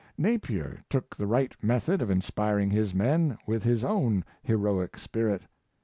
Napier took the right method of inspiring his men with his own heroic spirit.